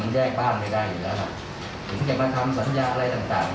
แยกบ้านไม่ได้อยู่แล้วถึงจะมาทำสัญญาอะไรต่างต่าง